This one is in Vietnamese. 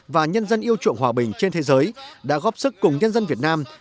và nhân dân yêu chuộng hòa bình trên thế giới đã góp sức cùng nhân dân việt nam